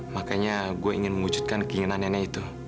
makanya gue ingin mengujudkan keinginan nenek yang sama